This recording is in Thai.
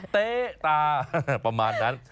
เต๊ะตาประมาณนั้น